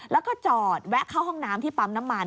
แล้วก็จอดแวะเข้าห้องน้ำที่ปั๊มน้ำมัน